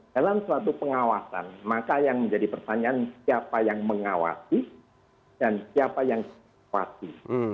dalam suatu pengawasan maka yang menjadi pertanyaan siapa yang mengawasi dan siapa yang mengawasi